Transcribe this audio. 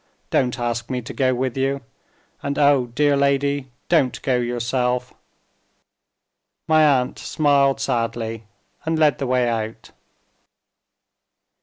Don't ask me to go with you and oh, dear lady, don't go yourself." My aunt smiled sadly and led the way out.